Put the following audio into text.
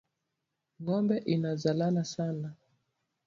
Ngombe ina zalana Saną